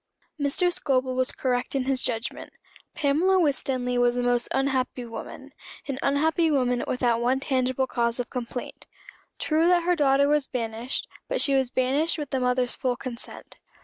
Mr. Scobel was correct in his judgment. Pamela Winstanley was a most unhappy woman an unhappy woman without one tangible cause of complaint. True that her daughter was banished; but she was banished with the mother's full consent.